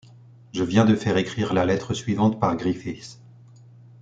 Je viens de faire écrire la lettre suivante par Griffith.